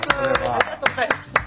ありがとうございます。